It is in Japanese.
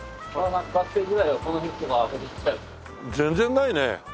全然ないね。